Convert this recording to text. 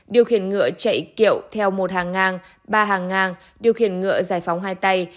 điều khiển ngựa chạy kẹo theo một hàng ngang ba hàng ngang điều khiển ngựa giải phóng hai tay